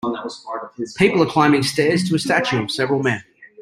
People are climbing stairs to a statue of several men.